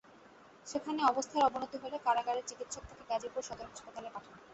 সেখানে অবস্থার অবনতি হলে কারাগারের চিকিত্সক তাঁকে গাজীপুর সদর হাসপাতালে পাঠান।